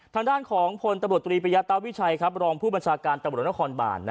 ทางด้านของผลตบตรีประยะเตาวิชัยครับรองผู้บัญชาการตำรวจนครบ่าน